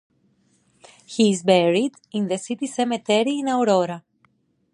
He is buried in the city cemetery in Aurora.